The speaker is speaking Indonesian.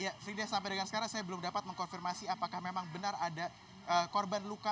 ya frida sampai dengan sekarang saya belum dapat mengkonfirmasi apakah memang benar ada korban luka